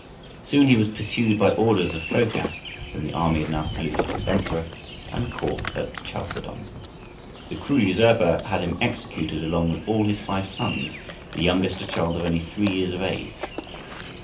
Soon he was pursued by orders of Phocas, whom the army had now saluted as emperor, and caught at Chalcedon. The cruel usurper had him executed along with all his five sons, the youngest a child of only three years of age.